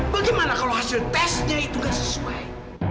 bagaimana kalau hasil tesnya itu kan sesuai